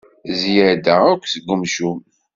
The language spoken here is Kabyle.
Zzyada akk seg umcum.